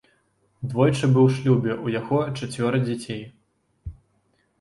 Двойчы быў у шлюбе, у яго чацвёра дзяцей.